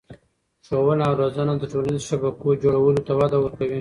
ښوونه او روزنه د ټولنیزو شبکو جوړولو ته وده ورکوي.